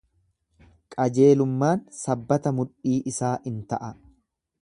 Qajeelummaan sabbata mudhii isaa in ta'a.